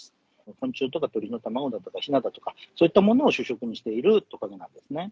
昆虫とか鳥の卵だとか、ひなだとか、そういったものを主食にしているトカゲなんですね。